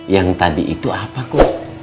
yang tadi itu apa kok